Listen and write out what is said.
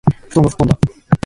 布団が吹っ飛んだ